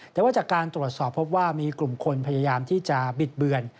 แต่ว่าจากการตรวจสอบพบว่ามีกลุ่มคนพยายามที่จะบิดเบือน